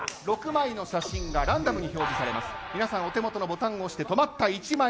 ６枚の写真がランダムで流れます。